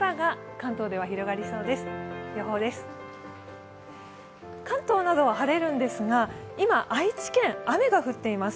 関東などは晴れるんですが、今、愛知県、雨が降っています。